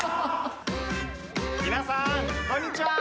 皆さんこんにちは。